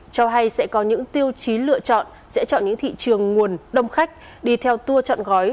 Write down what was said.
cho hay sẽ có những tiêu chí lựa chọn sẽ chọn những thị trường nguồn đông khách đi theo tour chọn gói